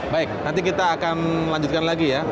baik nanti kita akan lanjutkan lagi ya